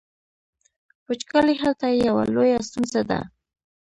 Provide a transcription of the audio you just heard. وچکالي هلته یوه لویه ستونزه ده.